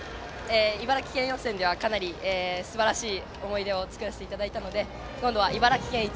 茨城県予選ではかなりすばらしい思い出を作らせていただいたので今度は茨城県一